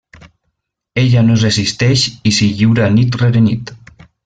Ella no es resisteix i s'hi lliura nit rere nit.